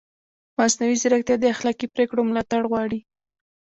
مصنوعي ځیرکتیا د اخلاقي پرېکړو ملاتړ غواړي.